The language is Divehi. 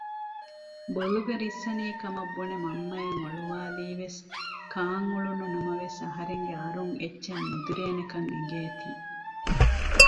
ބޮލުގަ ރިއްސަނީކަމަށް ބުނެ މަންމައަށް އޮޅުވާލީވެސް ކާން އުޅުނު ނަމަވެސް އަހަރެންގެ އަރުން އެއްޗެއް ނުދިރޭނެކަން އެނގޭތީ